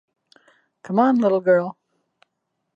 Come on little girl!